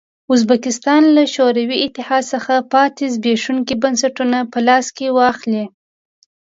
ازبکستان له شوروي اتحاد څخه پاتې زبېښونکي بنسټونه په لاس کې واخلي.